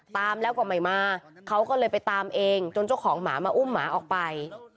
ตามแล้วก็ไม่มาเขาก็เลยไปตามเองจนเจ้าของหมามาอุ้มหมาออกไป